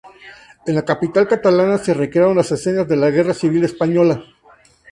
En la capital catalana se recrearon las escenas de la Guerra Civil española.